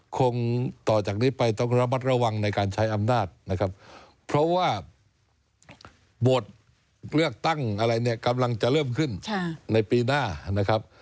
คงต่อจากนี้ไปต้องระมัดระวังในการใช้อำนาจนะครับเพราะว่าบทเลือกตั้งอะไรเนี่ยกำลังจะเริ่มขึ้นในปีหน้านะครับ